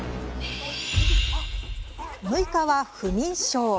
６日は「不眠症」。